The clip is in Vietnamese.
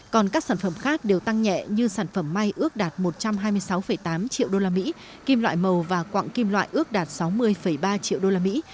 còn các sản phẩm khác đều tăng nhẹ như sản phẩm may ước đạt một trăm hai mươi sáu tám triệu đô la mỹ kim loại màu và quạng kim loại ước đạt sáu mươi ba triệu đô la mỹ